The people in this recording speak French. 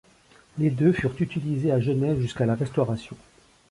Les deux furent utilisés à Genève jusqu'à la Restauration.